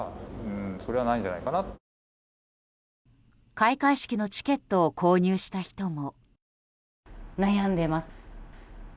開会式のチケットを購入した人も。